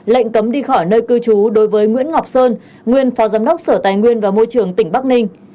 lệnh cấm đi khỏi nơi cư trú đối với nguyễn ngọc sơn nguyên phó giám đốc sở tài nguyên và môi trường tỉnh bắc ninh